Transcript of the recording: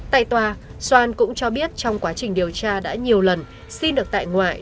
tại tòa xoan cũng cho biết trong quá trình điều tra đã nhiều lần xin được tại ngoại